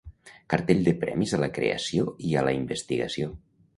Cartell de premis a la creació i a la investigació.